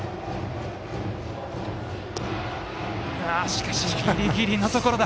しかし、ギリギリのところ。